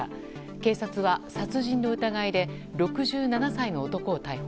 警察は殺人の疑いで６７歳の男を逮捕。